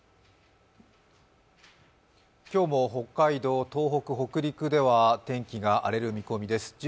今日も北海道、東北、北陸では天気が荒れる見込みです。